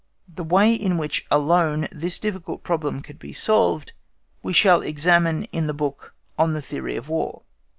The way in which alone this difficult problem can be solved we shall examine in the book on the "Theory of War."